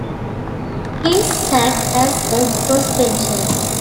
He sat as a crossbencher.